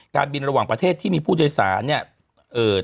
การบินระหว่างประเทศที่มีผู้โดยสารเนี่ย